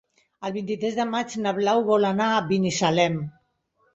El vint-i-tres de maig na Blau vol anar a Binissalem.